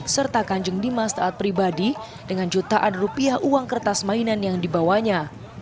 serta kanjeng dimas taat pribadi dengan jutaan rupiah uang kertas mainan yang dibawanya